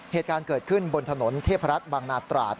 เหตุการณ์เกิดขึ้นบนถนนเทพรัฐบางนาตราด